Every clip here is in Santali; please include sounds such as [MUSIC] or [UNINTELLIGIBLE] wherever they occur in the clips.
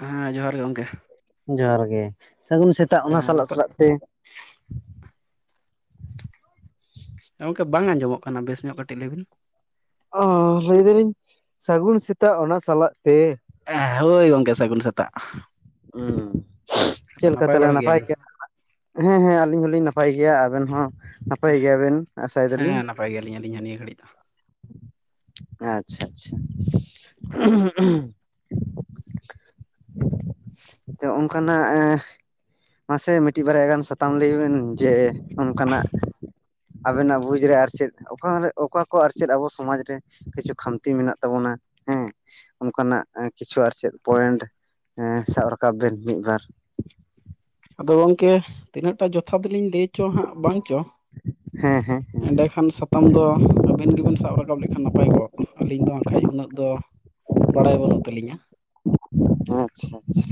ᱦᱮᱸ ᱡᱚᱦᱟᱨ ᱜᱮ ᱜᱚᱝᱠᱮ᱾ ᱡᱚᱦᱟᱨ ᱜᱮ ᱥᱟᱜᱩᱱ ᱥᱮᱛᱟᱜ ᱚᱱᱟ ᱦᱮᱸ ᱥᱟᱞᱟᱜ ᱱᱟᱯᱟᱭ ᱥᱟᱞᱟᱜ ᱛᱮ᱾ ᱦᱮᱸ ᱜᱚᱝᱠᱮ ᱵᱟᱝ ᱟᱸᱡᱚᱢᱚᱜ ᱠᱟᱱᱟ ᱵᱮᱥ ᱧᱚᱜ ᱠᱟᱴᱤᱡ ᱞᱟᱹᱭᱵᱤᱱ᱾ ᱚᱦᱚᱦᱚ ᱞᱟᱹᱭ ᱫᱟᱞᱤᱧ ᱥᱟᱜᱩᱱ ᱥᱮᱛᱟᱜ ᱚᱱᱟ ᱥᱟᱞᱟᱜ ᱛᱮ᱾ ᱦᱮᱸᱦᱮᱸ ᱦᱳᱭ ᱜᱚᱝᱠᱮ ᱥᱟᱹᱜᱩᱱ ᱥᱮᱛᱟᱜ᱾ ᱦᱩᱸ ᱟᱫᱚ ᱪᱮᱫ ᱞᱮᱠᱟ ᱛᱟᱞᱮ ᱵᱟᱲᱟ ᱱᱟᱯᱟᱭ ᱜᱮᱭᱟᱵᱤᱱ ᱜᱮᱭᱟ [UNINTELLIGIBLE] ᱦᱮᱸ ᱦᱮᱸ ᱟᱞᱤᱧ ᱦᱩᱞᱤᱧ ᱱᱟᱯᱟᱭ ᱜᱮᱭᱟ, ᱟᱵᱮᱱ ᱦᱚᱸ ᱱᱟᱯᱟᱭ ᱜᱮᱭᱟᱵᱮᱱ ᱟᱥᱟᱭ ᱦᱮᱸ ᱫᱟᱞᱤᱧ᱾ ᱱᱟᱯᱟᱭ ᱜᱮᱭᱟᱞᱤᱧ ᱟᱞᱤᱧ ᱦᱚᱸ ᱱᱤᱭᱟᱹ ᱜᱷᱟᱹᱲᱤᱡ ᱫᱚ᱾ ᱟᱪᱪᱷᱟ ᱟᱪᱪᱷᱟ [UNINTELLIGIBLE] [UNINTELLIGIBLE] ᱚᱱᱠᱟᱱᱟᱜ ᱮᱸ ᱢᱟᱥᱮ ᱢᱤᱫᱴᱤᱡ ᱵᱟᱨᱭᱟ ᱜᱟᱱ ᱥᱟᱛᱟᱢ ᱞᱟᱹᱭ ᱵᱤᱱ ᱡᱮ ᱚᱱᱠᱟᱱᱟᱜ ᱟᱵᱮᱱᱟᱜ ᱵᱩᱡᱽ ᱨᱮ ᱟᱨ ᱪᱮᱫ ᱚᱠᱟᱨᱮ ᱚᱠᱟ ᱠᱚ ᱟᱨ ᱪᱮᱫ ᱟᱵᱚ ᱥᱚᱢᱟᱡᱽ ᱨᱮ ᱠᱤᱪᱷᱩ ᱠᱷᱟᱢᱛᱤ ᱢᱮᱱᱟᱜ ᱛᱟᱵᱚᱱᱟ ᱦᱮᱸ᱾ ᱚᱱᱠᱟᱱᱟᱜ ᱮᱸ ᱠᱤᱪᱷᱩ ᱟᱨ ᱪᱮᱫ ᱯᱚᱭᱮᱱᱴ ᱮᱸ ᱥᱟᱵ ᱨᱟᱠᱟᱵ ᱵᱮᱱ ᱢᱤᱫᱵᱟᱨ᱾ ᱟᱫᱚ ᱜᱚᱝᱠᱮ ᱛᱤᱱᱟᱹᱜᱴᱟ ᱡᱚᱛᱷᱟᱛᱚᱞᱤᱧ ᱞᱟᱹᱭᱪᱚ ᱦᱟᱸᱜ ᱵᱟᱝᱪᱚ᱾ ᱦᱮᱸ ᱦᱮᱸ᱾ ᱦᱮᱸ ᱮᱸᱰᱮᱠᱷᱟᱱ ᱥᱟᱛᱟᱢ ᱫᱚ ᱟᱹᱵᱤᱱ ᱜᱤᱵᱤᱱ ᱥᱟᱵ ᱨᱟᱠᱟᱵ ᱞᱮᱠᱷᱟᱱ ᱱᱟᱯᱟᱭ ᱠᱚᱜᱼᱟ ᱛᱚ᱾ ᱟᱹᱞᱤᱧ ᱫᱚ ᱦᱟᱸᱜ ᱠᱷᱟᱡ ᱩᱱᱟᱹᱜ ᱫᱚ ᱵᱟᱲᱟᱭ ᱵᱟᱹᱱᱩᱜ ᱛᱟᱹᱞᱤᱧᱟ᱾ ᱟᱪᱪᱷᱟ ᱟᱪᱪᱷᱟ᱾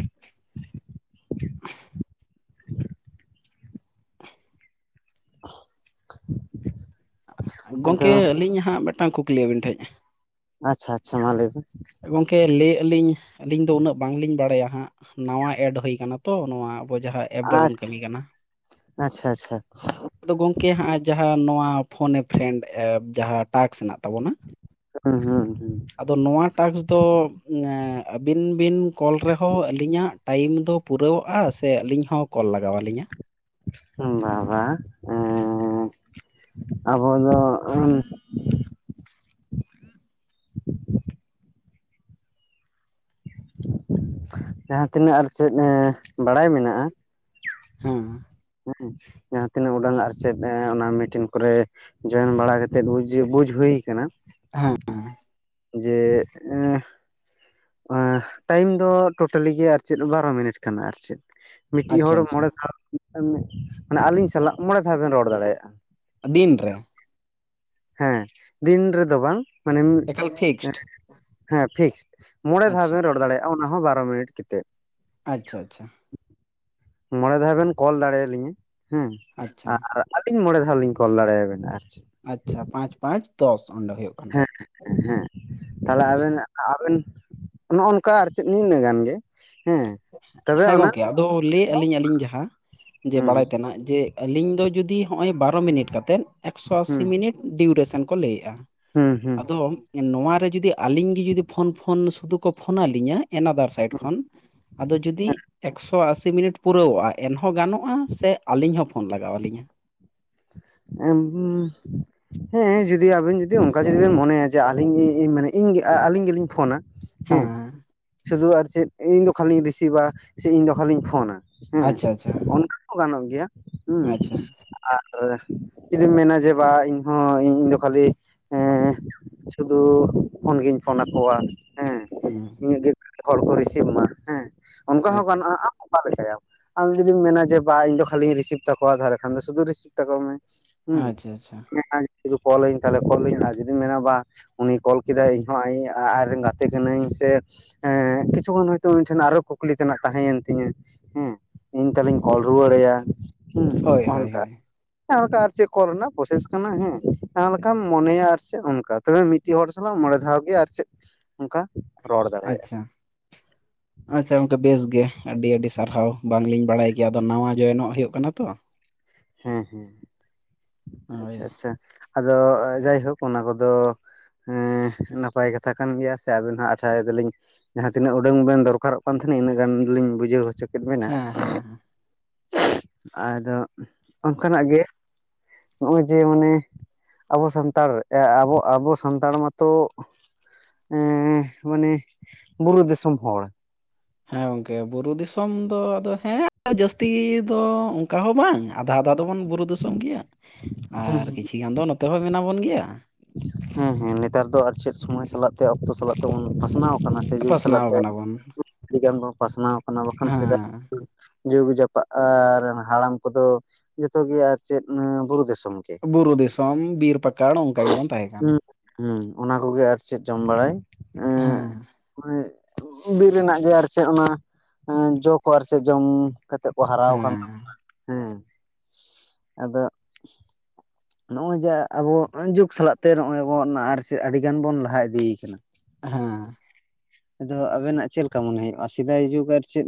[UNINTELLIGIBLE] ᱟᱫᱚ ᱜᱚᱝᱠᱮ ᱟᱹᱞᱤᱧ ᱦᱟᱸᱜ ᱢᱤᱫᱴᱟᱝ ᱠᱩᱠᱞᱤ ᱟᱹᱵᱤᱱ ᱴᱷᱮᱡ᱾ ᱟᱪᱪᱷᱟ ᱟᱪᱪᱷᱟ, ᱢᱟ ᱞᱟᱹᱭᱵᱤᱱ᱾ ᱜᱚᱝᱠᱮ ᱞᱟᱹᱭᱮᱜ ᱟᱹᱞᱤᱧ, ᱟᱹᱞᱤᱧ ᱫᱚ ᱩᱱᱟᱹᱜ ᱵᱟᱝᱞᱤᱧ ᱵᱟᱲᱟᱭᱟ ᱦᱟᱸᱜ᱾ ᱱᱟᱣᱟ ᱮᱰ ᱦᱩᱭ ᱠᱟᱱᱟ ᱛᱚ ᱱᱚᱣᱟ ᱟᱵᱚ ᱡᱟᱦᱟᱡ ᱟᱪᱪᱷᱟ, ᱟᱪᱪᱷᱟ ᱟᱪᱪᱷᱟ ᱟᱪᱪᱷᱟ᱾ ᱟᱫᱚ ᱜᱚᱢᱠᱮ ᱦᱟᱸᱜ ᱡᱟᱦᱟᱸ ᱱᱚᱣᱟ ᱯᱷᱳᱱ ᱮ ᱯᱷᱨᱮᱱᱰ ᱮᱯ ᱡᱟᱦᱟᱸ ᱴᱟᱠᱥ ᱦᱮᱱᱟᱜ ᱛᱟᱵᱚᱱᱟ᱾ ᱦᱩᱸ ᱦᱩᱸ ᱦᱩᱸ᱾ ᱛᱚ ᱱᱚᱣᱟ ᱴᱟᱠᱥ ᱫᱚ ᱮᱸ ᱟᱹᱵᱤᱱ ᱵᱤᱱ ᱠᱚᱞ ᱨᱮᱦᱚᱸ ᱟᱹᱞᱤᱧᱟᱜ ᱴᱟᱭᱤᱢ ᱫᱚ ᱯᱩᱨᱟᱹᱣᱚᱜᱼᱟ, ᱥᱮ ᱟᱹᱞᱤᱧ ᱦᱚᱸ ᱠᱚᱞ ᱞᱟᱜᱟᱣ ᱟᱹᱞᱤᱧᱟ? ᱦᱩᱸ ᱵᱟᱝ ᱵᱟᱝ ᱮᱸ। ᱟᱵᱚ ᱫᱚ ᱡᱟᱦᱟᱸᱛᱤᱱᱟᱹᱜ ᱟᱨ ᱪᱮᱫ ᱮᱸ ᱵᱟᱲᱟᱭ ᱢᱮᱱᱟᱜᱼᱟ। ᱦᱮᱸ ᱦᱮᱸ᱾ ᱡᱟᱦᱟᱸ ᱛᱤᱱᱟᱹᱜ ᱩᱰᱟᱹᱝ ᱟᱨᱪᱮᱫ ᱮᱸ ᱚᱱᱟ ᱢᱤᱴᱤᱱ ᱠᱚᱨᱮ ᱡᱚᱭᱮᱱ ᱵᱟᱲᱟ ᱠᱟᱛᱮᱜ ᱵᱩᱡᱷᱟᱹᱣ ᱵᱩᱡ ᱦᱩᱭ ᱠᱟᱱᱟ᱾ ᱦᱮᱸ ᱡᱮ ᱮᱸ ᱮᱸ ᱴᱟᱭᱤᱢ ᱫᱚ ᱴᱳᱴᱟᱞᱤ ᱜᱮ ᱟᱨ ᱪᱮᱫ ᱵᱟᱨᱚ ᱢᱤᱱᱤᱴ ᱠᱟᱱᱟ ᱟᱨ ᱪᱮᱫ᱾ ᱢᱤᱫᱴᱤᱡ ᱟᱪᱪᱷᱟ ᱦᱚᱲ ᱟᱪᱪᱷᱟ ᱢᱚᱸᱬᱮ ᱫᱷᱟᱣ, ᱢᱟᱱᱮ ᱟᱞᱤᱧ ᱥᱟᱞᱟᱜ ᱢᱚᱸᱬᱮ ᱫᱷᱟᱣ ᱵᱮᱱ ᱨᱚᱲ ᱫᱟᱲᱮᱭᱟᱜᱼᱟ᱾ ᱫᱤᱱᱨᱮ᱾ ᱦᱮᱸ ᱫᱤᱱ ᱨᱮᱫᱚ ᱵᱟᱝ ᱢᱟᱱᱮ ᱮᱠᱟᱞ ᱯᱷᱤᱠᱥᱰ [UNINTELLIGIBLE] ᱦᱮᱸ ᱯᱷᱤᱠᱥᱰ᱾ ᱯᱮ ᱫᱷᱟᱣ ᱟᱪᱪᱷᱟ ᱵᱮᱱ ᱨᱚᱲ ᱫᱟᱲᱮᱭᱟᱜᱼᱟ ᱚᱱᱟ ᱦᱚᱸ ᱵᱟᱨᱚ ᱢᱤᱱᱤᱴ ᱠᱮᱛᱮᱫ᱾ ᱟᱪᱪᱷᱟ ᱟᱪᱪᱷᱟ᱾ ᱢᱚᱸᱬᱮ ᱫᱷᱟᱣ ᱵᱮᱱ ᱠᱚᱞ ᱫᱟᱲᱮᱭᱟᱞᱤᱧᱟ ᱦᱮᱸ ᱟᱪᱪᱷᱟ ᱟᱨ ᱟᱹᱞᱤᱧ ᱢᱚᱸᱬᱮ ᱫᱷᱟᱣ ᱞᱤᱧ ᱠᱚᱞ ᱫᱟᱲᱮᱭᱟᱵᱮᱱᱟ ᱟᱨ ᱪᱤᱫ᱾ ᱟᱪᱪᱷᱟ, ᱯᱟᱸᱪ ᱯᱟᱸᱪ ᱫᱚᱥ ᱚᱸᱰᱮ ᱦᱳᱭᱳᱜ ᱠᱟᱱᱟ᱾ ᱦᱮᱸ ᱦᱮᱸ ᱛᱟᱦᱚᱞᱮ ᱟᱪᱪᱷᱟ ᱟᱵᱮᱱ ᱟᱵᱮᱱ ᱱᱚᱜ ᱱᱚᱝᱠᱟ ᱟᱨ ᱪᱮᱫ ᱱᱤᱱᱟᱹᱜ ᱜᱟᱱ ᱜᱮ᱾ ᱦᱮᱸ ᱛᱚᱵᱮ ᱦᱮᱸ ᱚᱱᱟ ᱜᱚᱝᱠᱮ ᱟᱫᱚ ᱞᱟᱹᱭᱮᱫᱼᱟ ᱞᱤᱧ ᱟᱹᱞᱤᱧ ᱡᱟᱦᱟᱸ ᱡᱮ ᱦᱩᱸ ᱵᱟᱲᱟᱭ ᱛᱮᱱᱟᱜ ᱡᱮ ᱟᱞᱤᱧ ᱫᱚ ᱡᱩᱫᱤ ᱦᱚᱜᱼᱚᱭ ᱵᱟᱨᱚ ᱢᱤᱱᱤᱴ ᱠᱟᱛᱮᱫ ᱮᱠᱥᱚ ᱟᱥᱤ ᱦᱩᱸ ᱢᱤᱱᱤᱴ ᱰᱤᱭᱩᱨᱮᱥᱚᱱ ᱠᱚ ᱞᱟᱹᱭᱮᱫᱼᱟ᱾ ᱦᱩᱸ ᱦᱩᱸ ᱟᱫᱚ ᱱᱚᱣᱟᱨᱮ ᱡᱩᱫᱤ ᱟᱹᱞᱤᱧ ᱜᱮ ᱡᱩᱫᱤ ᱯᱷᱳᱱ ᱯᱷᱳᱱ ᱥᱩᱫᱩ ᱠᱚ ᱯᱷᱳᱱᱟᱞᱤᱧᱟ᱾ ᱮᱱᱟᱫᱟᱨ ᱥᱟᱭᱤᱰ ᱠᱷᱚᱱ ᱟᱫᱚ ᱡᱩᱫᱤ ᱮᱠᱥ ᱥᱷᱚ ᱟᱥᱤ ᱢᱤᱱᱤᱴ ᱯᱩᱨᱟᱹᱚᱜᱼᱟ ᱮᱱᱦᱚᱸ ᱜᱟᱱᱚᱜᱼᱟ ᱥᱮ ᱟᱹᱞᱤᱧ ᱦᱚᱸ ᱯᱷᱳᱱ ᱞᱟᱜᱟᱣ ᱞᱤᱧᱟᱹ? ᱮᱢ ᱦᱩᱸ ᱦᱮᱸ ᱡᱩᱫᱤ ᱟᱵᱮᱱ ᱡᱩᱫᱤ ᱚᱱᱠᱟ ᱡᱩᱫᱤ ᱵᱮᱱ ᱢᱚᱱᱮᱭᱟ ᱡᱮ ᱟᱞᱤᱧ ᱤᱧ ᱟᱹᱞᱤᱧ ᱜᱮᱞᱤᱧ ᱯᱷᱳᱱᱟ᱾ ᱦᱮᱸ ᱥᱩᱫᱩ ᱟᱨ ᱪᱮᱫ ᱤᱧ ᱫᱚ ᱠᱷᱟᱱᱞᱤᱧ ᱨᱤᱥᱤᱵᱷᱟ ᱥᱮ ᱤᱧ ᱫᱚ ᱠᱷᱟᱱᱤᱧ ᱯᱷᱳᱱᱟ᱾ ᱦᱮᱸ ᱟᱪᱪᱷᱟ ᱟᱪᱪᱷᱟ ᱚᱱᱠᱟ ᱦᱚᱸ ᱜᱟᱱᱚᱜ ᱜᱮᱭᱟ ᱦᱮᱸ᱾ ᱟᱪᱪᱷᱟ ᱟᱨ ᱡᱩᱫᱤᱢ ᱢᱮᱱᱟ ᱡᱮ ᱵᱟ ᱤᱧᱦᱚᱸ ᱤᱧ ᱫᱚ ᱠᱷᱟᱹᱞᱤ ᱮ ᱥᱩᱫᱩ ᱯᱷᱚᱱᱜᱤᱧ ᱯᱷᱳᱱ ᱟᱠᱚᱣᱟ ᱦᱮᱸ᱾ ᱦᱩᱸ ᱤᱧᱟᱹᱜ ᱜᱮ ᱦᱚᱲ ᱠᱚ ᱨᱤᱥᱤᱵᱷᱢᱟ ᱦᱮᱸ ᱚᱱᱠᱟ ᱦᱚᱸ ᱟᱪᱪᱷᱟ ᱜᱟᱱᱚᱜᱼᱟ᱾ ᱚᱠᱟ ᱞᱮᱠᱟᱭᱟᱢ ᱟᱢ ᱡᱩᱫᱤᱢ ᱢᱮᱱᱟ ᱡᱮ ᱵᱟᱝ ᱤᱧ ᱫᱚ ᱠᱷᱟᱹᱞᱤᱧ ᱨᱤᱥᱤᱵᱷ ᱛᱟᱠᱚᱣᱟ ᱛᱟᱦᱚᱞᱮ ᱠᱷᱟᱱ ᱫᱚ ᱥᱩᱫᱩ ᱨᱤᱥᱤᱵᱷ ᱛᱟᱠᱚ ᱢᱮ ᱦᱩᱸ ᱟᱪᱪᱷᱟ ᱟᱪᱪᱷᱟ [UNINTELLIGIBLE] ᱠᱚᱞ ᱟᱹᱧ ᱛᱟᱦᱮ ᱠᱚᱞ ᱟᱹᱧ ᱡᱩᱫᱤᱢ ᱢᱮᱱᱟ ᱵᱟ ᱩᱱᱤ ᱠᱚᱞ ᱠᱮᱫᱟᱭ ᱤᱧᱦᱚᱸ [UNINTELLIGIBLE] ᱟᱡᱨᱮᱱ ᱜᱟᱛᱮ ᱠᱟᱹᱱᱟᱹᱧ ᱥᱮ ᱦᱮᱸ ᱠᱤᱪᱷᱩ ᱜᱟᱱ ᱦᱚᱭᱛᱳ ᱤᱧ ᱴᱷᱮᱱ ᱟᱨᱚ ᱠᱩᱠᱞᱤ ᱛᱮᱱᱟᱜ ᱛᱟᱦᱮᱸᱭᱮᱱ ᱛᱤᱧᱟᱹ᱾ ᱦᱮᱸ ᱤᱧ ᱛᱟᱦᱚᱞᱮᱧ ᱠᱚᱞ ᱨᱩᱣᱟᱹᱲ ᱟᱭᱟ ᱦᱮᱸ ᱦᱳᱭ ᱦᱳᱭ ᱚᱱᱠᱟ᱾ ᱦᱳᱭ ᱡᱟᱸᱦᱟᱞᱮᱠᱟ ᱟᱨ ᱪᱮᱫ ᱠᱚᱞ ᱨᱮᱱᱟᱜ ᱯᱨᱚᱥᱮᱥ ᱠᱟᱱᱟ ᱦᱮᱸ ᱡᱟᱦᱟᱸ ᱞᱮᱠᱟᱢ ᱢᱚᱱᱮᱭᱟ ᱟᱨ ᱪᱮᱫ ᱚᱱᱠᱟ᱾ ᱛᱚᱵᱮ ᱢᱤᱫᱴᱤᱡ ᱦᱚᱲ ᱥᱟᱞᱟᱜ ᱢᱚᱬᱮ ᱫᱷᱟᱣ ᱜᱮ ᱟᱨ ᱪᱮᱫ ᱚᱱᱠᱟ ᱨᱚᱲ ᱫᱟᱲᱮᱭᱟᱜᱼᱟ᱾ ᱟᱪᱪᱷᱟ ᱟᱪᱪᱷᱟ ᱜᱚᱝᱠᱟᱮ ᱵᱮᱥ ᱜᱮ ᱟᱹᱰᱤ ᱟᱹᱰᱤ ᱥᱟᱨᱦᱟᱣ ᱵᱟᱝᱞᱤᱧ ᱵᱟᱲᱟᱭ ᱜᱮᱭᱟ ᱟᱫᱚ ᱱᱟᱣᱟ ᱡᱚᱭᱮᱱᱚᱜ ᱦᱩᱭᱩᱜ ᱠᱟᱱᱟ ᱛᱚ᱾ ᱦᱮᱸ ᱦᱮᱸ ᱦᱳᱭ ᱟᱪᱪᱷᱟ ᱟᱪᱪᱷᱟ ᱟᱫᱚ ᱡᱟᱭᱦᱳᱠ ᱚᱱᱟ ᱠᱚᱫᱚ ᱮᱸ ᱱᱟᱯᱟᱭ ᱠᱟᱛᱷᱟ ᱠᱟᱱ ᱜᱮᱭᱟ ᱥᱮ ᱟᱵᱮᱱ ᱦᱟᱜ ᱟᱥᱟᱭ ᱫᱟᱞᱤᱧ᱾ ᱡᱟᱦᱟᱸ ᱛᱤᱱᱟᱹᱜ ᱦᱩᱰᱟᱹᱝ ᱵᱮᱱ ᱫᱚᱨᱠᱟᱨᱚᱜ ᱠᱟᱱ ᱛᱟᱸᱦᱮᱱᱟ ᱤᱱᱟᱹᱜ ᱜᱟᱱ ᱫᱚᱞᱤᱧ ᱵᱩᱡᱷᱟᱹᱣ ᱦᱚᱪᱚ ᱠᱮᱫ ᱢᱮᱱᱟ ᱦᱮᱸ ᱦᱮᱸ ᱟᱫᱚ ᱚᱱᱠᱟᱱᱟᱜ ᱜᱮ ᱱᱚᱜᱼᱚᱭ ᱡᱮ ᱚᱱᱮ ᱟᱵᱚ ᱥᱟᱱᱛᱟᱲ ᱟᱵᱚ ᱟᱵᱚ ᱥᱟᱱᱛᱟᱲ ᱢᱟᱛᱚ᱾ ᱮᱸ ᱢᱟᱱᱮ ᱵᱩᱨᱩ ᱫᱤᱥᱚᱢ ᱦᱚᱲ᱾ ᱦᱮᱸ ᱜᱚᱝᱠᱮ ᱵᱩᱨᱩ ᱫᱤᱥᱚᱢ ᱫᱚ ᱟᱫᱚ ᱦᱮᱸ ᱡᱟᱹᱥᱛᱤ ᱫᱚ ᱚᱱᱠᱟ ᱦᱚᱸ ᱵᱟᱝᱟ᱾ ᱟᱫᱷᱟ ᱟᱫᱷᱟ ᱫᱚᱵᱚᱱ ᱵᱩᱨᱩ ᱫᱤᱥᱚᱢ ᱜᱮᱭᱟ᱾ [INAUDIBLE] ᱟᱨ ᱠᱤᱪᱷᱤ ᱜᱟᱱ ᱫᱚ ᱱᱚᱛᱮ ᱦᱚᱸ ᱢᱮᱱᱟᱜ ᱵᱚᱱ ᱜᱮᱭᱟ᱾ ᱦᱮᱸ ᱦᱮᱸ ᱱᱮᱛᱟᱨ ᱫᱚ ᱟᱨ ᱪᱮᱫ ᱥᱚᱢᱚᱭ ᱥᱟᱞᱟᱜ ᱛᱮ ᱚᱠᱛᱚ ᱥᱟᱞᱟᱜ ᱛᱮᱵᱚᱱ ᱯᱟᱥᱱᱟᱣ᱾ ᱚᱱᱟ ᱥᱮ ᱡᱩᱜᱽ ᱥᱟᱞᱟᱜ ᱯᱟᱥᱱᱟᱣ ᱛᱮ ᱠᱟᱱᱟ ᱵᱚᱱ ᱟᱹᱰᱤᱜᱟᱱ ᱵᱚᱱ ᱯᱟᱥᱱᱟᱣ ᱟᱠᱟᱱᱟ ᱵᱟᱠᱷᱟᱱ ᱥᱮᱫᱟᱭ ᱦᱮᱸ ᱡᱩᱜᱽ ᱡᱟᱯᱟᱜ ᱟᱨ ᱦᱟᱲᱟᱢ ᱠᱚᱫᱚ ᱡᱚᱛᱚ ᱜᱮ ᱟᱨ ᱪᱮᱫ ᱵᱩᱨᱩ ᱫᱤᱥᱚᱢ ᱜᱮ᱾ ᱵᱩᱨᱩ ᱫᱤᱥᱚᱢ ᱵᱤᱨ ᱯᱟᱠᱟᱲ ᱚᱱᱠᱟ ᱜᱮᱵᱚᱱ ᱛᱟᱦᱮᱸ ᱠᱟᱱᱟ᱾ ᱦᱮᱸ ᱚᱱᱟ ᱠᱚᱜᱮ ᱟᱨ ᱪᱮᱫ ᱡᱚᱢ ᱵᱟᱲᱟᱭ ᱮᱸ ᱦᱮᱸ ᱵᱤᱨ ᱨᱮᱱᱟᱜ ᱜᱮ ᱟᱨ ᱪᱮᱫ ᱚᱱᱟ ᱡᱚ ᱠᱚ ᱟᱨ ᱪᱮᱫ ᱡᱚᱢ ᱠᱟᱛᱮᱜ ᱠᱚ ᱦᱟᱨᱟ ᱦᱮᱸ ᱟᱠᱟᱱ ᱛᱟᱵᱚᱱᱟ ᱦᱮᱸ ᱟᱫᱚ ᱱᱚᱜᱼᱚᱭ ᱡᱮ ᱟᱵᱚ ᱡᱩᱜ ᱥᱟᱞᱟᱜ ᱛᱮ ᱱᱚᱜᱼᱚᱭ ᱵᱚᱱ ᱟᱨ ᱟᱹᱰᱤ ᱜᱟᱱ ᱵᱚᱱ ᱞᱟᱦᱟ ᱤᱫᱤᱭ ᱠᱟᱱᱟ᱾ ᱦᱮᱸ ᱟᱫᱚ ᱟᱵᱮᱱᱟᱜ ᱪᱮᱫ ᱞᱮᱠᱟ ᱢᱚᱱᱮ ᱦᱩᱭᱩᱜᱼᱟ ᱥᱮᱫᱟᱭ ᱡᱩᱜᱽ ᱟᱨ ᱪᱮᱫ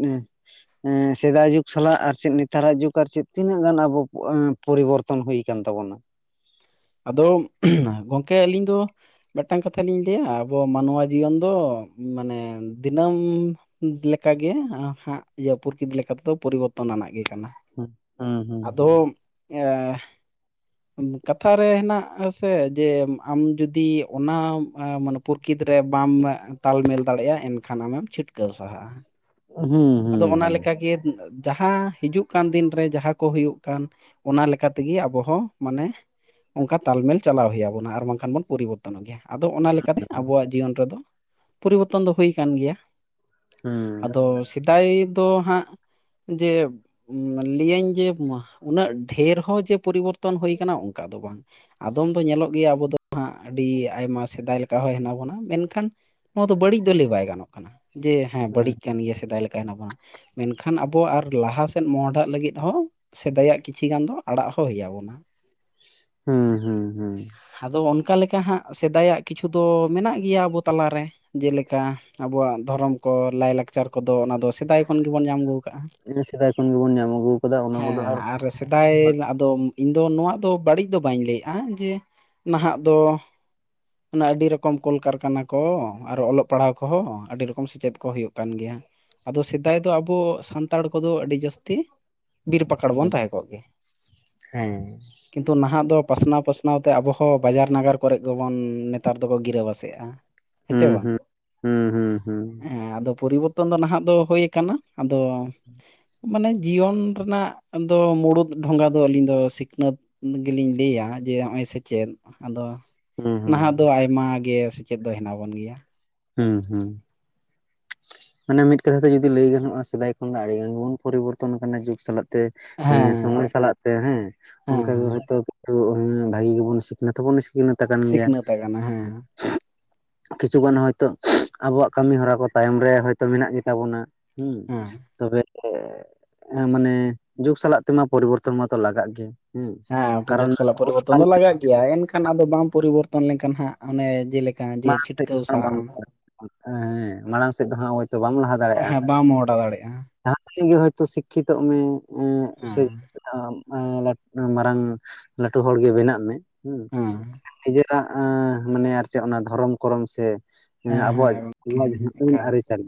ᱮᱸ ᱥᱮᱫᱟᱭ ᱡᱩᱜᱽ ᱥᱟᱞᱟᱜ ᱟᱨ ᱪᱮᱫ ᱱᱮᱛᱟᱨᱟᱜ ᱡᱩᱜᱽ ᱟᱨ ᱪᱮᱫ ᱛᱤᱱᱟᱹᱜ ᱜᱟᱱ ᱟᱵᱚ ᱯᱚᱨᱤᱵᱚᱨᱛ ᱛᱚᱱ ᱦᱩᱭ ᱟᱠᱟᱱ ᱛᱟᱵᱚᱱᱟ ᱾ ᱟᱫᱚ ᱜᱚᱝᱠᱮ ᱟᱹᱞᱤᱧ ᱫᱚ ᱢᱤᱫᱴᱟᱝ ᱠᱟᱛᱷᱟ ᱞᱤᱧ ᱞᱟᱹᱭᱟ ᱟᱵᱚ ᱢᱟᱱᱣᱟ ᱡᱤᱭᱚᱱ ᱫᱚ ᱢᱟᱱᱮ ᱫᱤᱱᱟᱹᱢ ᱞᱮᱠᱟᱜᱮ ᱦᱟᱸᱜ ᱤᱭᱟᱹ ᱯᱨᱚᱠᱤᱛ ᱞᱮᱠᱟᱛᱮᱫᱚ ᱯᱚᱨᱤᱵᱚᱨᱛᱚᱱ ᱟᱱᱟᱜ ᱜᱮ ᱠᱟᱱᱟ ᱾ ᱦᱩᱸ ᱾ ᱟᱫᱚ ᱮᱸ ᱠᱟᱛᱷᱟ ᱨᱮ ᱦᱮᱱᱟᱜ ᱟᱥᱮ ᱡᱮ ᱟᱢ ᱡᱩᱫᱤ ᱚᱱᱟ ᱮ ᱢᱟᱱᱮ ᱯᱨᱚᱠᱤᱛ ᱨᱮ ᱵᱟᱢ ᱛᱟᱞᱢᱮᱞ ᱫᱟᱲᱮᱭᱟᱜᱼᱟ ᱮᱱᱠᱷᱟᱱ ᱟᱢᱮᱢ ᱪᱷᱤᱴᱠᱟᱹᱨ ᱥᱟᱦᱟᱜᱼᱟ ᱾ ᱦᱩᱸ ᱾ ᱟᱫᱚ ᱚᱱᱟ ᱞᱮᱠᱟᱜᱮ ᱡᱟᱦᱟᱸ ᱦᱤᱡᱩᱜ ᱠᱟᱱ ᱫᱤᱱᱨᱮ ᱡᱟᱦᱟᱸ ᱠᱚ ᱦᱩᱭᱩᱜ ᱠᱟᱱ ᱚᱱᱟ ᱞᱮᱠᱟ ᱛᱮᱜᱮ ᱟᱵᱚ ᱦᱚᱸ ᱢᱟᱱᱮ ᱚᱝᱠᱟ ᱛᱟᱞᱢᱮᱞ ᱪᱟᱞᱟᱣ ᱦᱩᱭ ᱟᱵᱚᱱᱟ ᱟᱨ ᱵᱟᱝᱠᱷᱟᱱ ᱵᱚᱱ ᱯᱚᱨᱤᱵᱚ ᱛᱚᱱᱚᱜ ᱜᱮᱭᱟ, ᱟᱫᱚ ᱚᱱᱟ ᱞᱮᱠᱟᱛᱮ ᱟᱵᱚᱣᱟᱜ ᱡᱤᱭᱚᱱ ᱨᱮᱫᱚ ᱯᱚᱨᱤᱵᱚᱨᱛᱚᱱ ᱫᱚ ᱦᱩᱭ ᱠᱟᱱ ᱜᱮᱭᱟ ᱦᱩᱸ ᱾ ᱟᱫᱚ ᱥᱮᱫᱟᱭ ᱫᱚ ᱦᱟᱸᱜ ᱡᱮ ᱞᱮᱭᱟᱹᱧ ᱡᱮ ᱢᱟᱦ ᱩᱱᱟᱹᱜ ᱰᱷᱮᱨ ᱦᱚᱸ ᱡᱮ ᱯᱚᱨᱤᱵᱚᱨᱛᱚᱱ ᱦᱩᱭ ᱠᱟᱱᱟ ᱚᱝᱠᱟ ᱫᱚ ᱵᱟᱝ ᱾ ᱟᱫᱚᱢ ᱫᱚ ᱧᱮᱞᱚᱜ ᱜᱮᱭᱟ ᱟᱵᱚ ᱫᱚ ᱦᱟᱸᱜ ᱟᱹᱰᱤ ᱟᱭᱢᱟ ᱥᱮᱫᱟᱭ ᱞᱮᱠᱟ ᱦᱚᱸ ᱦᱮᱱᱟᱜ ᱵᱚᱱᱟ, ᱢᱮᱱᱠᱷᱟᱱ ᱱᱚᱣᱟ ᱫᱚ ᱵᱟᱹᱲᱤᱡ ᱫᱚ ᱞᱟᱹᱭ ᱵᱟᱭ ᱜᱟᱱᱚᱜ ᱠᱟᱱᱟ, ᱡᱮ ᱦᱮᱸ ᱵᱟᱹᱲᱤᱡ ᱦᱩᱸ ᱠᱟᱱ ᱜᱮᱭᱟ ᱥᱮᱫᱟᱭ ᱞᱮ ᱛᱟᱦᱮᱸᱱᱟ ᱢᱟ ᱢᱮᱱᱠᱷᱟᱱ ᱟᱵᱚ ᱟᱨ ᱞᱟᱦᱟ ᱥᱮᱫ ᱢᱚᱦᱰᱟᱜ ᱞᱟᱹᱜᱤᱫ ᱦᱚᱸ ᱥᱮᱫᱟᱭᱟᱜ ᱠᱤᱪᱷᱤ ᱜᱟᱱ ᱫᱚ ᱟᱲᱟᱜ ᱦᱚᱸ ᱦᱩᱭ ᱟᱵᱚᱱᱟ ᱾ ᱦᱩᱸ ᱦᱩᱸ ᱦᱩᱸ ᱾ ᱟᱫᱚ ᱚᱱᱠᱟ ᱞᱮᱠᱟ ᱦᱟᱸᱜ ᱥᱮᱫᱟᱭᱟᱜ ᱠᱤᱪᱷᱩ ᱫᱚ ᱢᱮᱱᱟᱜ ᱜᱮᱭᱟ ᱟᱵᱚ ᱛᱟᱞᱟᱨᱮ ᱾ ᱡᱮᱞᱮᱠᱟ ᱟᱵᱚᱣᱟᱜ ᱫᱷᱚᱨᱚᱢ ᱠᱚ ᱞᱟᱭᱼᱞᱟᱠᱪᱟᱨ ᱠᱚᱫᱚ ᱚᱱᱟ ᱫᱚ ᱥᱮᱫᱟᱭ ᱠᱷᱚᱱ ᱜᱮᱵᱚᱱ ᱧᱟᱢ ᱟᱹᱜᱩ ᱠᱟᱜᱼᱟ ᱾ ᱦᱮᱸ ᱥᱮᱫᱟᱭ ᱠᱷᱚᱱ ᱜᱮᱵᱚᱱ ᱧᱟᱢ ᱟᱹᱜᱩ ᱟᱠᱟᱫᱟ ᱚᱱᱟ ᱠᱚᱫᱚ, ᱟᱨ ᱥᱮᱫᱟᱭ ᱟᱫᱚ ᱤᱧ ᱫᱚ ᱱᱚᱣᱟ ᱫᱚ ᱵᱟᱹᱲᱤᱡ ᱫᱚ ᱵᱟᱹᱧ ᱞᱟᱹᱭᱮᱜᱼᱟ ᱡᱮ ᱱᱟᱦᱟᱜ ᱫᱚ ᱚᱱᱟ ᱟᱹᱰᱤ ᱨᱚᱠᱚᱢ ᱠᱚᱞ ᱠᱟᱨᱠᱷᱟᱱᱟ ᱠᱚ ᱟᱨᱚ ᱚᱞᱚᱜ ᱯᱟᱲᱦᱟᱣ ᱠᱚᱦᱚᱸ ᱟᱹᱰᱤ ᱨᱚᱠᱚᱢ ᱥᱮᱪᱮᱫ ᱠᱚ ᱦᱩᱭᱩᱜ ᱠᱟᱱ ᱜᱮᱭᱟ ᱾ ᱟᱫᱚ ᱥᱮᱫᱟᱭ ᱫᱚ ᱟᱵᱚ ᱥᱟᱱᱛᱟᱲ ᱠᱚᱫᱚ ᱟᱹᱰᱤ ᱡᱟᱹᱥᱛᱤ ᱵᱤᱨ ᱯᱟᱠᱟᱲ ᱵᱚᱱ ᱛᱟᱦᱮᱸ ᱠᱚᱜ ᱜᱮᱭᱟ ᱦᱮᱸ ᱾ ᱠᱤᱱᱛᱩ ᱱᱟᱦᱟᱜ ᱫᱚ ᱯᱟᱥᱱᱟᱣ ᱯᱟᱥᱱᱟᱣ ᱛᱮ ᱟᱵᱚ ᱦᱚᱸ ᱵᱟᱡᱟᱨ ᱱᱟᱜᱟᱨ ᱠᱚᱨᱮᱜ ᱜᱮᱵᱚᱱ ᱱᱮᱛᱟᱨ ᱫᱚᱠᱚ ᱜᱤᱨᱟᱹ ᱵᱟᱥᱮᱜ ᱠᱮᱜᱼᱟ, ᱦᱮᱸ ᱪᱮ ᱦᱩᱸ ᱵᱟᱝ! ᱦᱩᱸ ᱦᱩᱸ ᱦᱩᱸ ᱦᱩᱸ ᱮᱸ ᱟᱫᱚ ᱯᱚᱨᱤᱵᱚᱨ ᱛᱚᱱ ᱫᱚ ᱱᱟᱦᱟᱜ ᱫᱚ ᱦᱩᱭ ᱟᱠᱟᱱᱟ, ᱟᱫᱚ ᱢᱟᱱᱮ ᱡᱤᱭᱚᱱ ᱨᱮᱱᱟᱜ ᱫᱚ ᱢᱩᱲᱩᱫ ᱰᱷᱚᱸᱜᱟ ᱫᱚ ᱟᱹᱞᱤᱧ ᱫᱚ ᱥᱤᱠᱷᱱᱟᱹᱛ ᱜᱤᱞᱤᱧ ᱞᱟᱹᱭᱟ ᱡᱮ ᱦᱚᱜᱼᱚᱭ ᱥᱮᱪᱮᱫ, ᱟᱫᱚ ᱦᱩᱸ ᱦᱩᱸ ᱱᱟᱦᱟᱜ ᱫᱚ ᱟᱭᱢᱟ ᱜᱮ ᱥᱮᱪᱮᱫ ᱫᱚ ᱦᱮᱱᱟᱜ ᱵᱚᱱ ᱜᱮᱭᱟ ᱾ ᱦᱩᱸ ᱦᱩᱸ ᱾ ᱢᱟᱱᱮ ᱢᱤᱫ ᱠᱟᱛᱷᱟ ᱛᱮ ᱡᱩᱫᱤ ᱞᱟᱹᱭ ᱜᱟᱱᱚᱜᱼᱟ ᱥᱮᱫᱟᱭ ᱠᱷᱚᱱ ᱫᱚ ᱟᱹᱲᱤᱜᱟᱱ ᱵᱚᱱ ᱯᱚᱨᱤᱵᱚᱨᱛᱚᱱ ᱟᱠᱟᱱᱟ ᱡᱩᱜᱽ ᱥᱟᱞᱟᱜ ᱛᱮ, ᱮᱸ ᱦᱮᱸ ᱥᱚᱢᱚᱭ ᱥᱟᱞᱟᱜ ᱛᱮ ᱦᱮᱸ ᱦᱮᱸ ᱚᱱᱠᱟ ᱜᱮ ᱦᱮᱸ ᱦᱚᱭᱛᱚ ᱠᱤᱪᱷᱩ ᱵᱷᱟᱹᱜᱤ ᱜᱮᱵᱚᱱ ᱥᱤᱠᱷᱱᱟᱹᱛ ᱦᱚᱵᱚᱵ ᱥᱤᱠᱷᱱᱟᱹᱛ ᱛᱟᱠᱟᱱ ᱜᱮᱭᱟ ᱾ ᱥᱤᱠᱷᱱᱟᱹᱛ ᱟᱠᱟᱱᱟ ᱦᱮᱸ ᱠᱤᱪᱷᱩᱜᱟᱱ ᱦᱚᱭᱛᱳ ᱟᱵᱚᱣᱟᱜ ᱠᱟᱹᱢᱤᱦᱚᱨᱟ ᱠᱚ ᱛᱟᱭᱚᱢ ᱨᱮ ᱦᱚᱭᱛᱳ ᱢᱮᱱᱟᱜ ᱜᱮ ᱛᱟᱵᱚᱱᱟ ᱾ ᱦᱩᱸ, ᱦᱮᱸ ᱛᱚᱵᱮ ᱦᱮᱸ, ᱢᱟᱱᱮ ᱡᱩᱜᱽ ᱥᱟᱞᱟᱜ ᱛᱮᱢᱟ ᱯᱚᱨᱤᱵᱚᱨᱛᱚᱱ ᱢᱟᱛᱚ ᱞᱟᱜᱟᱜ ᱜᱮ ᱾ ᱦᱮᱸ ᱡᱩᱜᱽ ᱥᱟᱞᱟᱜ ᱯᱚᱨᱤᱵᱚᱨᱛᱚᱱ ᱫᱚ ᱞᱟᱜᱟᱜ ᱜᱮᱭᱟ, ᱮᱱᱠᱷᱟᱱ ᱟᱫᱚ ᱵᱟᱢ ᱯᱚᱨᱤᱵᱚᱨᱛᱚᱱ ᱞᱮᱱᱠᱷᱟᱱ ᱦᱟᱸᱜ ᱚᱱᱮ ᱡᱮᱞᱮ ᱢᱟᱲᱟᱝ ᱥᱮᱫ ᱦᱟᱸᱜ ᱵᱟᱝ [INAUDIBLE] ᱦᱮᱸ ᱢᱟᱲᱟᱝ ᱥᱮᱫ ᱫᱚ ᱦᱟᱸᱜ ᱦᱳᱭᱛᱚ ᱵᱟᱢ ᱞᱟᱦᱟ ᱫᱟᱲᱮᱭᱟᱜᱼᱟ ᱾ ᱦᱮᱸ ᱵᱟᱢ ᱢᱚᱦᱰᱟ ᱫᱟᱲᱮᱭᱟᱜᱼᱟ ᱾ ᱡᱟᱦᱟᱸ ᱛᱤᱱᱟᱹᱜ ᱜᱮ ᱦᱚᱭᱛᱚ ᱥᱤᱠᱠᱷᱤᱛᱚᱜ ᱢᱮ ᱮᱸ ᱥᱮ ᱦᱮᱸ [UNINTELLIGIBLE] ᱮᱸ ᱞᱟ ᱢᱟᱨᱟᱝ ᱞᱟᱹᱴᱩ ᱦᱚᱲ ᱜᱮ ᱵᱮᱱᱟᱜ ᱢᱮ ᱦᱩᱸ ᱦᱮᱸ ᱮᱜᱮᱨ᱾ [UNINTELLIGIBLE] ᱮᱸ ᱢᱟᱱᱮ ᱟᱨ ᱪᱮᱫ ᱚᱱᱟ ᱫᱷᱚᱨᱚᱢ ᱠᱚᱨᱚᱢ ᱥᱮᱼᱼ ᱦᱮ ᱦᱮᱸ ᱦᱮᱸ ᱟᱵᱚᱣᱟᱜ ᱱᱚᱣᱟ ᱡᱷᱩᱯᱩᱝ ᱮᱠᱟᱞ ᱟᱨᱤᱪᱟᱞᱤ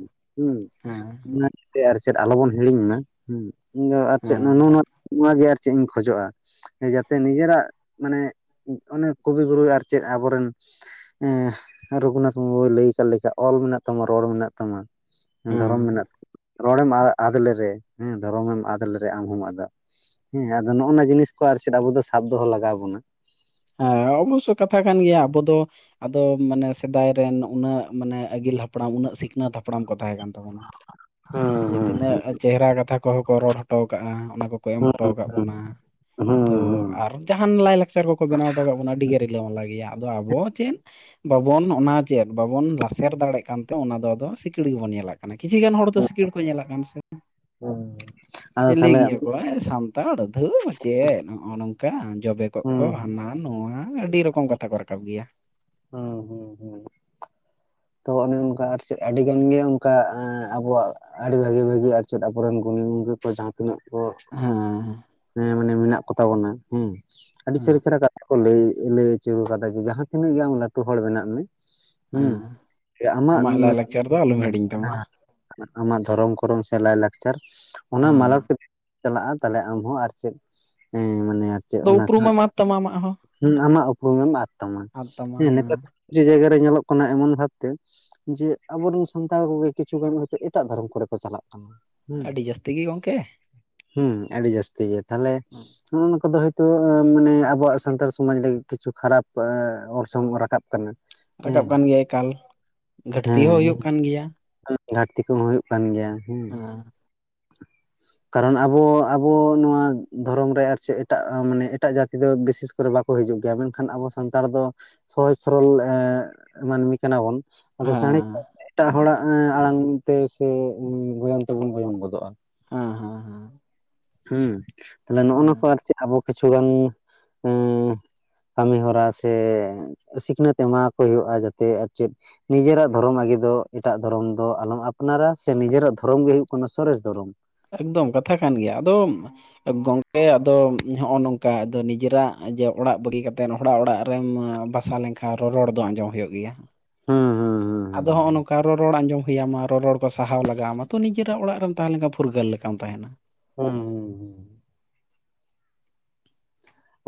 ᱦᱮᱸ ᱢᱟᱱᱮ ᱛᱮ ᱟᱨ ᱪᱮᱫ ᱟᱞᱚᱵᱚᱱ ᱦᱤᱲᱤᱧ ᱢᱟ ᱦᱩᱸ ᱤᱧ ᱫᱚ ᱟᱨ ᱪᱮᱫ ᱦᱮᱸ ᱱᱩᱱᱩ ᱱᱩ ᱱᱚᱣᱟ ᱜᱮ ᱟᱨ ᱪᱮᱜ ᱤᱧ ᱠᱷᱚᱡᱚᱜᱼᱟ᱾ ᱡᱟᱛᱮ ᱱᱤᱡᱮᱨᱟᱜ ᱢᱟᱱᱮ ᱚᱱᱮ ᱠᱚᱵᱤ ᱜᱩᱨᱩ ᱟᱨ ᱪᱮᱫ ᱟᱵᱚᱨᱮᱱ ᱮᱸ ᱨᱚᱜᱷᱩᱱᱟᱛᱷ ᱢᱩᱨᱢᱩᱭ ᱞᱟᱹᱭ ᱟᱠᱟᱫ ᱞᱮᱠᱟ ᱚᱞ ᱢᱮᱱᱟᱜ ᱛᱟᱢᱟ ᱨᱚᱲ ᱢᱮᱱᱟᱜ ᱛᱟᱢᱟ᱾ ᱦᱮᱸ ᱫᱷᱚᱨᱚᱢ ᱢᱮᱱᱟᱜ ᱨᱚᱲᱮᱢ ᱟ ᱟᱫ ᱞᱮᱨᱮ ᱦᱮᱸ ᱫᱷᱚᱨᱚᱢᱮᱢ ᱟᱫ ᱞᱮᱨᱮ ᱟᱢ ᱦᱚᱢ ᱟᱫᱚᱜ᱾ ᱦᱮᱸ ᱟᱫᱚ ᱱᱚᱜ-ᱚ ᱱᱟ ᱡᱤᱱᱤᱥ ᱠᱚ ᱟᱨ ᱪᱮᱫ ᱟᱵᱚ ᱫᱚ ᱥᱟᱵ ᱫᱚᱦᱚ ᱞᱟᱜᱟᱣ ᱟᱵᱚᱱᱟ᱾ ᱦᱮᱸ, ᱚᱵᱳᱥᱥᱳ ᱠᱟᱛᱷᱟ ᱠᱟᱱ ᱜᱮᱭᱟ ᱟᱵᱚ ᱫᱚ ᱾ ᱟᱫᱚ ᱢᱟᱱᱮ ᱥᱮᱫᱟᱭ ᱨᱮᱱ ᱩᱱᱟᱹᱜ ᱢᱟᱱᱮ ᱟᱹᱜᱤᱞ ᱦᱟᱯᱲᱟᱢ ᱩᱱᱟᱹᱜ ᱥᱤᱠᱷᱱᱟᱹᱛ ᱦᱟᱯᱲᱟᱢ ᱠᱚ ᱛᱟᱦᱮᱸ ᱠᱟᱱᱟ᱾ ᱛᱟᱵᱚᱱᱟ ᱦᱩᱸ ᱡᱮ ᱦᱩᱸ ᱛᱤᱱᱟᱹᱜ ᱪᱮᱦᱮᱨᱟ ᱠᱟᱛᱷᱟ ᱠᱚᱦᱚᱸ ᱠᱚ ᱨᱚᱲ ᱦᱚᱴᱚ ᱠᱟᱜᱼᱟ, ᱚᱱᱟ ᱠᱚᱠᱚ ᱮᱢ ᱦᱩᱸ ᱦᱚᱴᱚ ᱟᱠᱟᱜ ᱵᱚᱱᱟ ᱾ ᱦᱩᱸ ᱛᱚ ᱦᱩᱸ ᱦᱩᱸ ᱟᱨ ᱡᱟᱦᱟᱱ ᱞᱟᱭᱼᱞᱟᱠᱪᱟᱨ ᱠᱚᱠᱚ ᱵᱮᱱᱟᱣ ᱦᱚᱴᱚ ᱠᱟᱜ ᱵᱚᱱᱟ ᱟᱹᱰᱤᱜᱮ ᱨᱤᱞᱟᱹᱢᱟᱞᱟ ᱜᱮᱭᱟ, ᱟᱫᱚ ᱟᱵᱚ ᱪᱮᱱ ᱵᱟᱵᱚᱱ ᱚᱱᱟ ᱪᱮᱫ ᱵᱟᱵᱚᱱ ᱞᱟᱥᱮᱨ ᱫᱟᱲᱮᱜ ᱠᱟᱱᱛᱮ ᱚᱱᱟ ᱫᱚ ᱟᱫᱚ ᱥᱤᱠᱤᱲ ᱜᱮᱵᱚᱱ ᱧᱮᱞᱮᱫ ᱠᱟᱱᱟ ᱠᱤᱪᱷᱤ ᱜᱟᱱ ᱦᱚᱲ ᱫᱚ ᱥᱤᱠᱥᱲ ᱜᱮ ᱠᱚ ᱧᱮᱞᱟᱜ ᱠᱟᱱᱟ ᱥᱮ ᱦᱩᱸ ᱟᱫᱚ ᱡᱮ ᱞᱟᱹᱭ ᱛᱟᱦᱚᱞᱮ ᱜᱮᱭᱟ ᱠᱚ ᱮᱸ ᱥᱟᱱ ᱛᱟᱲ ᱫᱷᱩ ᱪᱮᱫ ᱱᱚᱜᱼᱚ ᱱᱚᱝᱠᱟ ᱡᱚᱵᱮ ᱠᱚᱜ ᱦᱩᱸ ᱠᱚ ᱦᱟᱱᱟ ᱱᱚᱣᱟ ᱟᱹᱰᱤ ᱨᱚᱠᱚᱢ ᱠᱟᱛᱷᱟ ᱠᱚ ᱨᱟᱠᱟᱵ ᱜᱮᱭᱟ᱾ ᱦᱩᱸ ᱦᱩᱸ ᱦᱩᱸ᱾ ᱛᱚ ᱚᱱᱮ ᱚᱱᱠᱟ ᱟᱨ ᱪᱮᱫ ᱟᱹᱰᱤ ᱜᱟᱱ ᱜᱮ ᱚᱱᱠᱟ ᱮᱸ ᱟᱵᱚᱣᱟᱜ᱾ ᱟᱹᱰᱤ ᱵᱷᱟᱹᱜᱤ ᱵᱷᱟᱹᱜᱤ ᱟᱨ ᱪᱮᱫ ᱟᱵᱚᱨᱮᱱ ᱜᱩᱱᱤ ᱜᱚᱝᱠᱮ ᱠᱚ ᱡᱟᱦᱟᱸ ᱛᱤᱱᱟᱹᱜ ᱠᱚ ᱦᱮᱸ ᱦᱮᱸ ᱢᱟᱱᱮ ᱢᱮᱱᱟᱜ ᱠᱚ ᱛᱟᱵᱚᱱᱟ ᱦᱩᱸ ᱟᱹᱰᱤ ᱪᱮᱦᱨᱟ ᱦᱮᱸ ᱪᱮᱦᱨᱟ ᱠᱟᱛ ᱠᱚ ᱞᱟᱹᱭ ᱞᱟᱹᱭ ᱟᱪᱚ ᱟᱠᱟᱫᱟ ᱡᱮ ᱡᱟᱦᱟᱸ ᱛᱤᱱᱟᱹᱜ ᱜᱮ ᱟᱢ ᱞᱟᱹᱴᱩ ᱦᱚᱲ ᱵᱮᱱᱟᱜ ᱢᱮ᱾ ᱦᱩᱸ ᱦᱮᱸ ᱡᱮ ᱟᱢᱟᱜ ᱞᱟᱭᱼᱞᱟᱠᱪᱟᱨ ᱫᱚ ᱟᱞᱚᱢ ᱦᱤᱲᱤᱧ ᱛᱟᱢᱟ [UNINTELLIGIBLE] ᱟᱢᱟᱜ ᱫᱷᱚᱨᱚᱢ ᱠᱚᱨᱚᱢ ᱥᱮ ᱞᱟᱭᱼᱞᱟᱠᱪᱟᱨ᱾ ᱚᱱᱟ ᱢᱞᱟᱚᱴ ᱦᱮᱸ ᱠᱟᱛᱮᱜ ᱪᱟᱞᱟᱜᱼᱟ, ᱛᱟᱦᱞᱮ ᱟᱢᱦᱚᱸ ᱟᱨ ᱪᱮᱫ ᱦᱮᱸᱢᱟᱱᱮ ᱪᱮᱫ ᱟᱫᱚ ᱚᱱᱟ ᱩᱯᱨᱩᱢ ᱮᱢ ᱟᱫ ᱛᱟᱢᱟ ᱟᱢᱟᱜ ᱦᱚᱸ ᱠᱷᱚᱱᱟᱜ ᱟᱢᱟᱜ ᱩᱯᱨᱩᱢᱮᱢ ᱟᱫ ᱛᱟᱢᱟ, ᱟᱫ ᱛᱟᱢᱟ ᱦᱮᱸ ᱱᱤᱛᱟᱨ ᱡᱮ ᱡᱟᱭᱜᱟ ᱨᱮ ᱧᱮᱞᱚᱜ ᱠᱟᱱᱟ ᱮᱢᱚᱱ ᱵᱷᱟᱵᱽᱛᱮ ᱡᱮ, ᱟᱵᱚᱨᱥᱱ ᱥᱟᱱᱛᱟᱲ ᱠᱚᱜᱮ ᱠᱤᱪᱷᱩ ᱜᱟᱱ ᱦᱚᱭᱛᱚ ᱮᱴᱟᱜ ᱫᱷᱚᱨᱚᱢ ᱠᱚᱨᱮ ᱠᱚ ᱪᱟᱞᱟᱜ ᱠᱟᱱᱟ ᱾ ᱟᱰᱤ ᱡᱟᱹᱥᱛᱤ ᱜᱮ ᱜᱚᱝᱠᱮ ᱾ ᱦᱩᱸ ᱟᱰᱤ ᱡᱟᱥᱛᱤ ᱜᱮ ᱛᱟᱦᱚᱞᱮ ᱱᱚᱜ-ᱚ ᱱᱚᱝᱠᱟ‌ ᱫᱚ ᱦᱩᱭ ᱛᱚ ᱢᱟᱱᱮ ᱟᱵᱚᱣᱟᱜ ᱥᱟᱱᱛᱟᱲ ᱥᱚᱢᱟᱡᱽ ᱞᱟᱹᱜᱤᱫ ᱠᱤᱪᱷᱩ ᱠᱷᱟᱨᱟᱯ ᱚᱨᱥᱚᱝ ᱦᱚᱸ ᱨᱟᱠᱟᱵ ᱠᱟᱱᱟ ᱾ ᱨᱟᱠᱟᱵ ᱠᱟᱱ ᱜᱮᱭᱟ ᱮᱠᱟᱞ, ᱜᱷᱟᱹᱴᱛᱤ ᱦᱚᱸ ᱦᱩᱭᱩᱜ ᱠᱟᱱ ᱜᱮᱭᱟ ᱾ [UNINTELLIGIBLE] ᱜᱷᱟᱹᱴᱛᱤ ᱠᱚᱦᱚᱸ ᱦᱩᱭᱩᱜ ᱠᱟᱱ ᱜᱮᱭᱟ ᱦᱩᱸ ᱦᱮᱸ ᱾ ᱠᱟᱨᱚᱱ ᱟᱵᱚ ᱟᱵᱚ ᱱᱚᱣᱟ ᱫᱷᱚᱨᱚᱢ ᱨᱮ ᱟᱨ ᱪᱮᱜ ᱮᱴᱟᱜ ᱢᱟᱱᱮ ᱮᱴᱟᱜ ᱡᱟᱹᱛᱤ ᱫᱚ ᱵᱤᱥᱮᱥ ᱠᱚᱨᱮ ᱵᱟ ᱠᱚ ᱦᱤᱡᱩᱜ ᱜᱮᱭᱟ, ᱢᱮᱱᱠᱷᱟᱱ ᱟᱵᱚ ᱥᱟᱱᱛᱟᱲ ᱫᱚ ᱥᱚᱦᱚᱡ ᱥᱚᱨᱚᱞ ᱢᱟᱹᱱᱢᱤ ᱠᱟᱱᱟ ᱵᱚᱱ᱾ ᱟᱫᱚ ᱪᱟᱬᱮ ᱦᱮᱸ ᱮᱴᱟᱜ ᱦᱚᱲᱟᱜ ᱟᱲᱟᱝ ᱛᱮ ᱥᱮ ᱜᱚᱭᱚᱱ ᱛᱮᱵᱚᱱ ᱜᱚᱭᱚᱱ ᱜᱚᱫᱚᱜᱼᱟ ᱦᱮᱸ ᱦᱮᱸ ᱦᱮᱸ᱾ ᱦᱩᱸ ᱛᱟᱦᱞᱮ ᱱᱚᱜ ᱦᱮᱸ ᱱᱚᱝᱠᱟ ᱟᱨ ᱪᱮᱫ ᱟᱵᱚ ᱠᱤᱪᱷᱩ ᱜᱟᱱ ᱩᱸ ᱠᱟᱢᱤ ᱦᱚᱨᱟ ᱥᱮ ᱥᱤᱠᱷᱱᱟᱹᱛ ᱮᱢᱟᱦᱟᱠᱚ ᱦᱩᱭᱩᱜᱼᱟ, ᱡᱟᱛᱮ ᱟᱨ ᱪᱮᱫ ᱱᱤᱡᱮᱨᱟᱜ ᱫᱷᱚᱨᱚᱢ ᱟᱜᱮ ᱫᱚ ᱮᱴᱟᱜ ᱫᱷᱚᱨᱚᱢ ᱫᱚ ᱟᱞᱚᱢ ᱟᱯᱱᱟᱨᱟ ᱥᱮ ᱱᱤᱡᱮᱨᱟᱜ ᱫᱷᱚᱨᱚᱢ ᱜᱮ ᱦᱩᱭᱩᱜ ᱠᱟᱱᱟ ᱥᱚᱨᱮᱥ ᱫᱷᱚᱨᱚᱢ ᱾ ᱮᱠᱫᱚᱢ ᱠᱟᱛᱷᱟ ᱠᱟᱱ ᱜᱮᱭᱟ ᱟᱫᱚᱢ ᱜᱚᱝᱠᱮ ᱟᱫᱚ ᱦᱚᱜᱼᱚ ᱱᱚᱝᱠᱟ ᱟᱫᱚ ᱱᱤᱡᱮᱨᱟᱜ ᱡᱮ ᱚᱲᱟᱜ ᱵᱟᱹᱜᱤ ᱠᱟᱛᱮᱫ ᱦᱚᱲᱟᱜ ᱚᱲᱟᱜ ᱨᱮᱢ ᱵᱟᱠ ᱥᱟ ᱞᱮᱱᱠᱷᱟᱱ, ᱨᱚᱨᱚᱲ ᱫᱚ ᱟᱸᱡᱚᱢ ᱦᱩᱭᱩᱜ ᱜᱮᱭᱟ ᱾ ᱦᱩᱸ ᱦᱩᱸ ᱦᱩᱸ, ᱟᱫᱚ ᱦᱩᱸ ᱦᱚᱸᱚᱜ ᱱᱚᱝᱠᱟ ᱨᱚᱲ ᱨᱚᱲ ᱟᱸᱡᱚᱢ ᱦᱩᱭᱟᱢᱟ ᱨᱚ ᱨᱚᱲ ᱠᱚ ᱥᱟᱦᱟᱣ ᱞᱟᱜᱟᱣᱢᱟ ᱛᱚ ᱱᱤᱡᱮᱨᱟᱜ ᱚᱲᱟᱜ ᱨᱮᱢ ᱛᱟᱦᱮᱸ ᱞᱮᱱᱠᱷᱟᱱ ᱯᱷᱩᱨᱜᱟᱹᱞ ᱞᱮᱠᱟᱢ ᱛᱟᱦᱮᱱᱟ᱾ ᱦᱩᱸ ᱦᱩᱸ ᱦᱩᱸ,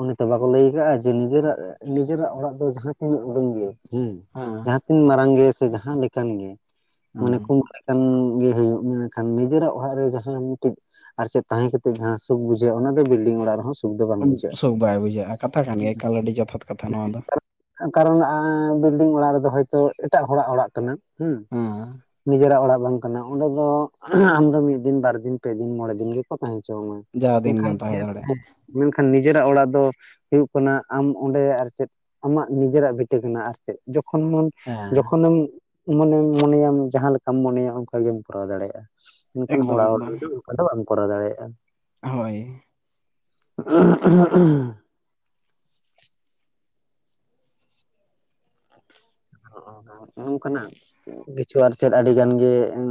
ᱩᱱᱮ ᱛᱚ ᱵᱟᱠᱚ ᱞᱟᱹᱭ ᱟᱠᱟᱼᱟ ᱡᱮ ᱱᱤᱡᱮᱨᱟᱜ ᱱᱤᱡᱮᱨᱟᱜ ᱚᱲᱟᱜ ᱫᱚ ᱡᱟᱦᱟᱸ ᱛᱤᱱᱟᱹᱜ ᱩᱰᱟᱹᱝ ᱜᱮᱭᱟ᱾ ᱦᱩᱸ ᱦᱮᱸ ᱡᱟᱦᱟᱸ ᱛᱤᱱ ᱢᱟᱨᱟᱝ ᱜᱮ ᱥᱮ ᱡᱟᱦᱟᱸ ᱞᱮᱠᱟᱱ ᱜᱮ ᱢᱟᱱᱮ ᱦᱮᱸ ᱚᱱᱮᱠᱚ [UNINTELLIGIBLE] ᱠᱟᱱ ᱜᱮ ᱦᱩᱭᱩᱜ ᱢᱮᱱᱠᱷᱟᱱ ᱱᱤᱡᱮᱨᱟᱜ ᱚᱲᱟᱜ ᱨᱮ ᱡᱟᱦᱟᱸᱱ ᱢᱤᱜᱴᱮᱜ ᱟᱨ ᱪᱮᱫ ᱛᱟᱦᱮᱸ ᱠᱟᱛᱮᱜ ᱡᱟᱦᱟᱸ ᱥᱩᱠ ᱵᱩᱡᱷᱟᱹᱜ ᱚᱱᱟ ᱜᱮ ᱵᱤᱞᱰᱤᱝ ᱚᱲᱟᱜ ᱨᱮᱦᱚᱸ, ᱥᱩᱠ ᱫᱚ ᱵᱟᱝ ᱩᱵ ᱵᱩᱡᱷᱟᱹᱜᱼᱟ ᱥᱩᱠ ᱵᱟᱭ ᱵᱩᱡᱷᱟᱹᱜᱼᱟ ᱠᱟᱛᱷᱟ ᱠᱟᱱ ᱜᱮᱭᱟ ᱮᱠᱟᱞ ᱟᱹᱰᱤ ᱡᱚᱛᱷᱟᱛ ᱠᱟᱛᱷᱟ ᱱᱚᱣᱟ ᱫᱚ᱾ ᱠᱟᱨᱚᱱ ᱟᱸᱻ ᱵᱤᱞᱰᱤᱝ ᱚᱲᱟᱜ ᱨᱮᱫᱚ ᱦᱚᱭᱛᱚ ᱮᱴᱟᱜ ᱦᱚᱲᱟᱜ ᱚᱲᱟᱜ ᱠᱟᱱᱟ, ᱦᱩᱸ ᱦᱮᱸ ᱱᱤᱡᱮᱨᱟᱜ ᱚᱲᱟᱜ ᱵᱟᱝ ᱠᱟᱱᱟ᱾ ᱚᱸᱰᱮ ᱫᱚ ᱟᱢᱫᱚ ᱢᱤᱫ ᱫᱤᱱ ᱵᱟᱨ ᱫᱤᱱ ᱯᱮ ᱫᱤᱱ ᱢᱚᱬᱮ ᱫᱤᱱ ᱜᱮ, ᱠᱚ ᱛᱟᱦᱮᱸ ᱦᱚᱪᱚᱢᱟ ᱡᱟᱦᱟᱸ ᱫᱤᱱ ᱜᱮᱢ ᱢᱮᱱᱠᱷᱟᱱ ᱛᱟᱦᱮᱸ ᱫᱟᱲᱮᱭᱟᱜ [UNINTELLIGIBLE] ᱢᱮᱱᱠᱷᱟᱱ ᱱᱤᱡᱮᱨᱟᱜ ᱚᱲᱟᱜ ᱫᱚ ᱦᱩᱭᱩᱜ ᱠᱟᱱᱟ ᱟᱢ ᱚᱸᱰᱮ ᱟᱨ ᱪᱮᱫ ᱟᱢᱟᱜ ᱱᱤᱡᱮᱨᱟᱜ ᱵᱷᱤᱴᱤ ᱠᱟᱱᱟ ᱟᱨ ᱪᱮᱫ ᱡᱚᱠᱷᱚᱱ ᱢᱚᱱ ᱦᱮᱸ ᱡᱚᱠᱷᱚᱱᱮᱢ ᱢᱚᱱᱮ ᱢᱚᱱᱮᱭᱟᱢ ᱡᱟᱦᱟᱸ ᱞᱮᱠᱟᱢ ᱢᱚᱱᱮᱭᱟ ᱚᱱᱠᱟ ᱜᱮᱢ ᱠᱚᱨᱟᱣ ᱫᱟᱲᱮᱭᱟᱜᱼᱟ᱾ ᱢᱮᱱᱠᱷᱟᱱ ᱮᱠᱫᱚᱢ ᱦᱚᱲᱟᱜ ᱦᱚᱲ ᱮᱠᱫᱚᱢ ᱨᱨᱫᱚ ᱚᱱᱠᱟ ᱫᱚ ᱵᱟᱢ ᱠᱚᱨᱟᱣ ᱫᱟᱲᱮᱭᱟᱜᱼᱟ᱾ ᱦᱳᱭ, [INAUDIBLE] ᱦᱚᱸᱜ ᱚ ᱠᱟᱱᱟᱜ, ᱱᱚᱝᱠᱟᱱᱟᱜ ᱠᱤᱪᱷᱩ ᱟᱨ ᱪᱮᱫ ᱟᱹᱰᱤ ᱜᱟᱱ ᱜᱮ ᱩᱸ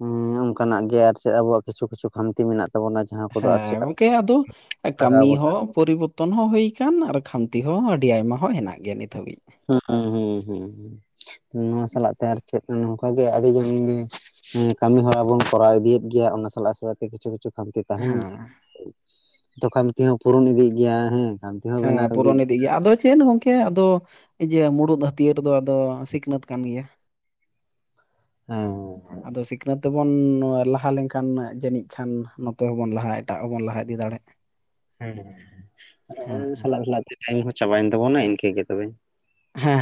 ᱦᱮᱸ ᱚᱱᱠᱟᱱᱟᱜ ᱜᱮ ᱟᱨ ᱪᱮᱜ ᱟᱵᱚᱣᱟᱜ ᱠᱤᱪᱷᱩ ᱠᱤᱪᱷᱩ ᱠᱟᱹᱢᱛᱤ ᱢᱮᱱᱟᱜ ᱛᱟᱵᱚᱱᱟ ᱡᱮ, ᱦᱮᱸ, ᱜᱚᱝᱠᱮ ᱟᱫᱚ ᱞᱟᱜᱟᱣ ᱠᱟᱹᱢᱤ ᱦᱚᱸ ᱯᱚᱨᱤᱵᱚᱨᱛᱚᱱ ᱦᱚᱸ ᱦᱩᱭ ᱠᱟᱱ ᱟᱨ ᱠᱷᱟᱢᱛᱤ ᱦᱚᱸ ᱟᱹᱰᱤ ᱟᱭᱢᱟ ᱦᱚᱸ ᱦᱮᱱᱟᱜ ᱜᱮᱭᱟ ᱱᱤᱛ ᱦᱟᱹᱵᱤᱜ᱾ ᱦᱩᱸ ᱦᱩᱸ ᱦᱩᱸ ᱦᱩᱸ, ᱱᱚᱣᱟ ᱥᱟᱞᱟᱜ ᱛᱮ ᱟᱨ ᱪᱮᱫ ᱱᱚᱝᱠᱟ ᱜᱮ ᱟᱹᱰᱤ ᱜᱟᱱ ᱞᱤᱧ ᱦᱮᱸ, ᱠᱟᱹᱢᱤ ᱦᱚᱨᱟ ᱵᱚᱱ ᱠᱚᱨᱟᱣ ᱤᱫᱤᱭᱮᱫ ᱜᱮᱭᱟ, ᱚᱱᱟ ᱥᱟᱞᱟᱜ ᱥᱟᱶᱛᱮ ᱠᱤᱪᱷᱩ ᱠᱤᱪᱷᱩ ᱠᱷᱟᱢᱛᱤ, ᱛᱟᱦᱮᱱ ᱦᱮᱸ ᱜᱮᱭᱟ [UNINTELLIGIBLE] ᱛᱚ ᱠᱷᱟᱢᱛᱤ ᱯᱩᱨᱩᱱ ᱤᱫᱤᱜ ᱜᱮᱭᱟ ᱦᱮᱸ ᱠᱷᱟᱢ ᱦᱮᱸ ᱦᱮᱸ ᱯᱩᱨᱟᱱ ᱤᱫ ᱫᱤ ᱜᱮᱭᱟ ᱟᱫᱚ ᱪᱮᱫ ᱜᱚᱝᱠᱮ ᱟᱫᱚ ᱡᱮ ᱢᱩᱨᱩᱫ ᱦᱟᱹᱛᱭᱟᱹᱨ ᱨᱮᱫᱚ ᱟᱫᱚ ᱥᱤᱠᱷᱱᱟᱹᱛ ᱠᱟᱱ ᱜᱮᱭᱟ᱾ ᱦᱮᱸ᱾ ᱟᱫᱚ ᱥᱤᱠᱷᱱᱟᱹᱛ ᱛᱮᱵᱚᱱ ᱞᱟᱦᱟ ᱞᱮᱱᱠᱷᱟᱱ ᱡᱟᱹᱱᱤᱡ ᱠᱷᱟᱱ ᱱᱚᱛᱮ ᱦᱚᱸᱵᱚᱱ ᱞᱟᱦᱟ ᱮᱴᱟᱜ ᱦᱚᱸᱵᱚᱱ ᱞᱟᱦᱟ ᱤᱫᱤ ᱫᱟᱲᱮᱜ, ᱦᱮᱸ ᱦᱮᱸ ᱟᱫᱚ ᱦᱮᱸ ᱩᱱᱥᱟᱞᱟᱜ ᱛᱮ ᱴᱟᱭᱤᱢ ᱦᱚᱸ ᱪᱟᱵᱟᱭᱮᱱ ᱛᱟᱵᱚᱱᱟ ᱤᱱᱠᱟᱹ ᱜᱮ ᱛᱚᱵᱮ᱾ ᱦᱮᱸ,